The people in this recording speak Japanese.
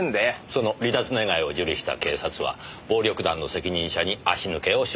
その離脱願を受理した警察は暴力団の責任者に足抜けを承認させる。